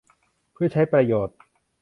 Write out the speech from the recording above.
เพื่อใช้ประโยชน์